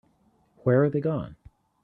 Where are they gone?